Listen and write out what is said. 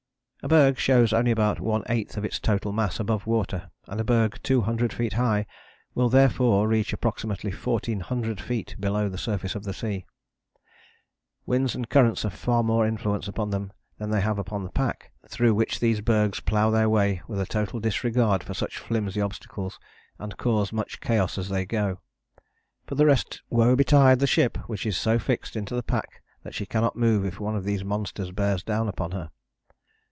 A berg shows only about one eighth of its total mass above water, and a berg two hundred feet high will therefore reach approximately fourteen hundred feet below the surface of the sea. Winds and currents have far more influence upon them than they have upon the pack, through which these bergs plough their way with a total disregard for such flimsy obstacles, and cause much chaos as they go. For the rest woe betide the ship which is so fixed into the pack that she cannot move if one of these monsters bears down upon her.